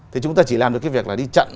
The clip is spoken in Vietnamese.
thì chúng ta chỉ làm được cái việc là đi chặn